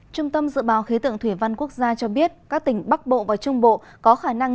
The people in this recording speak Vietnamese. trung tâm dự báo khí tượng thủy văn quốc gia cho biết các tỉnh bắc bộ và trung bộ có khả năng